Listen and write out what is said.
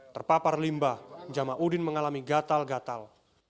terpapar limbah jamauddin mengalami gatal gatal